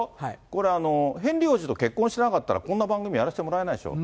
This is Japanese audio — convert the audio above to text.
これ、ヘンリー王子と結婚していなかったらこんな番組してなかったでしょう。